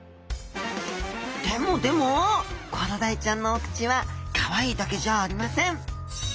でもでもコロダイちゃんのお口はかわいいだけじゃありません。